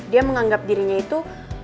dia menganggep dirinya itu